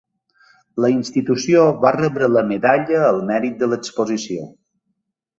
La institució va rebre la Medalla al Mèrit de l’Exposició.